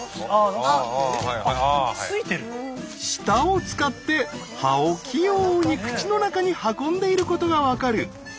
舌を使って葉を器用に口の中に運んでいることが分かる。